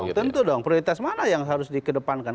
tentu dong tentu dong prioritas mana yang harus dikedepankan